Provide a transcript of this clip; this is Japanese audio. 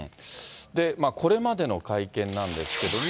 これまでの会見なんですけれども。